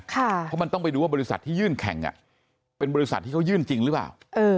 เพราะมันต้องไปดูว่าบริษัทที่ยื่นแข่งเป็นบริษัทที่เขายื่นจริงหรือเปล่า